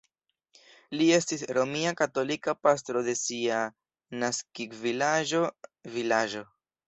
Li estis romia katolika pastro de sia naskiĝvilaĝo vilaĝo.